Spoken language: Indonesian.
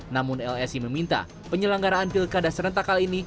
namun lsi meminta penyelenggaraan pilkada serentak kali ini